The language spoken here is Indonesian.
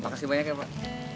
makasih banyak ya pak